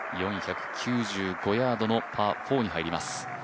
４９５ヤードのパー４に入ります。